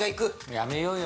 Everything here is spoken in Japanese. やめようよ。